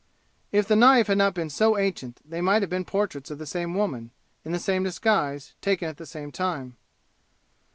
If the knife had not been so ancient they might have been portraits of the same woman, in the same disguise, taken at the same time.